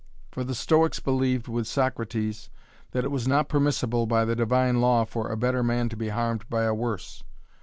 For the Stoics believed with Socrates that it was not permissible by the divine law for a better man to be harmed by a worse.